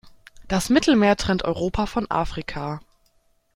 Das Mittelmeer trennt Europa von Afrika.